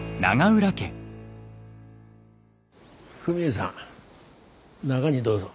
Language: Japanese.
フミエさん中にどうぞ。